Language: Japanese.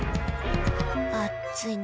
あっついな。